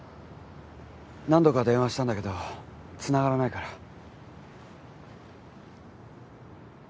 何度か電話したんだけどつながらないから。